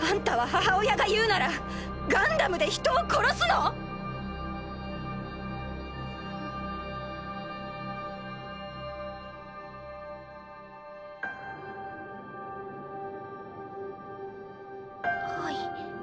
あんたは母親が言うならガンダムで人を殺すの⁉はい。